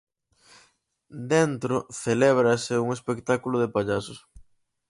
Dentro celébrase un espectáculo de pallasos.